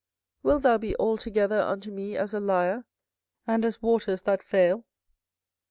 wilt thou be altogether unto me as a liar, and as waters that fail?